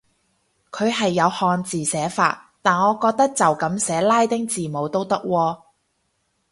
佢係有漢字寫法，但我覺得就噉寫拉丁字母都得喎